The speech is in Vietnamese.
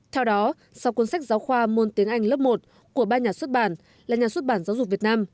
theo đó sau cuốn sách giáo khoa môn tiếng anh lớp một của ba nhà xuất bản là nhà xuất bản giáo dục việt nam